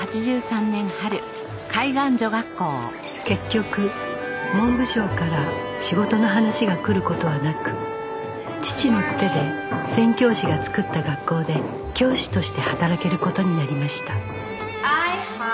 結局文部省から仕事の話がくる事はなく父のつてで宣教師が作った学校で教師として働ける事になりました